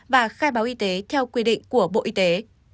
và khai báo y tế theo quy định của bộ y tế